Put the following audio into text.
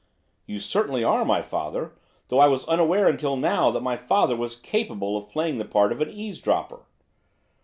'You certainly are my father; though I was unaware until now that my father was capable of playing the part of eavesdropper.